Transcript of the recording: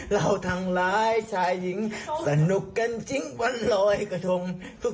เราทั้งหลายชายหญิงสนุกกันจริงวันลอยกระทง